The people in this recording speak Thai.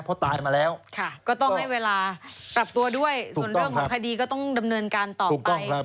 เพราะตายมาแล้วก็ต้องให้เวลาปรับตัวด้วยส่วนเรื่องของคดีก็ต้องดำเนินการต่อไป